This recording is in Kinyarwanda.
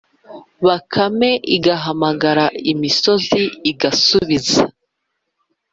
Bakame igahamagara imisozi igasubiza